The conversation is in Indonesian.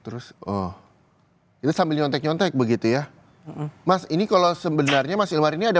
terus oh itu sambil nyontek nyontek begitu ya mas ini kalau sebenarnya mas ilmar ini ada